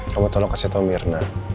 kamu tolong kasih tahu mirna